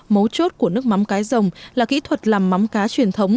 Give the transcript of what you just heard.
mấu chốt của nước mắm cái rồng là kỹ thuật làm mắm cá truyền thống